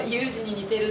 似てる？